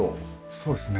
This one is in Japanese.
そうですね。